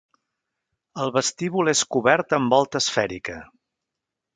El vestíbul és cobert amb volta esfèrica.